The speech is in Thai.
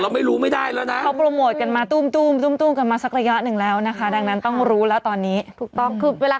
เริ่มนะเอ็มโฟคูละนะคูลที่๑๒ใช่